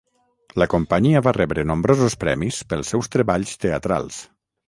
La companyia va rebre nombrosos premis pels seus treballs teatrals.